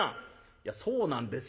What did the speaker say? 「いや『そうなんですよ』じゃない。